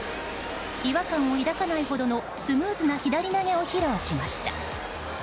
違和感を抱かないほどのスムーズな左投げを披露しました。